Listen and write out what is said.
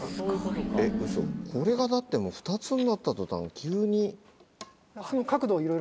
えっウソこれがだって２つになった途端急に。